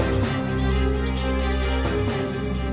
กับ